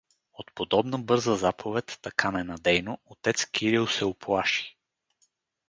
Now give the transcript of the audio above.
От подобна бърза заповед, така ненадейно, отец Кирил се уплаши.